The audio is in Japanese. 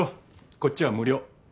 こっちは無料。